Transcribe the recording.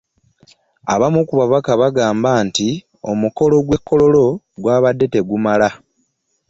Abamu ku babaka bagamba nti omukolo gw’e Kololo gwabadde tegumala